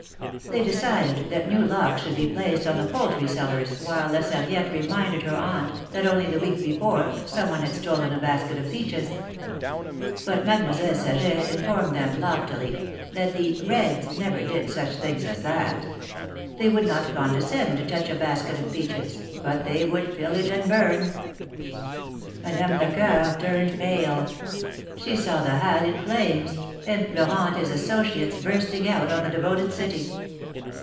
They decided that new locks should be placed on the poultry cellars, while La Sarriette reminded her Aunt that only the week before, some one had stolen a basket of peaches. But Mademoiselle Saget informed them, loftily, that the "Beds" never did such things as that. They would not condescend to touch a basket of peaches, but they would pillage and burn. Madame Lecoeur turned pale. She saw the Halles in flames, and Florent and his associates bursting out on the devoted city.